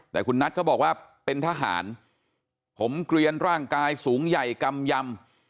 แต่คุณนัทเขาบอกว่าเป็นทหารผมเกลียนร่างกายสูงใหญ่กำยำ